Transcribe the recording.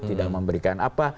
tidak memberikan apa